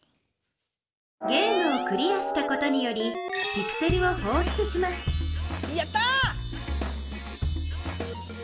ゲームをクリアしたことによりピクセルをほうしゅつしますやったぁ！